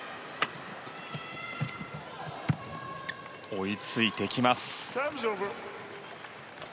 追いついてきます。